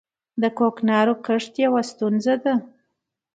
د کوکنارو کښت یوه ستونزه ده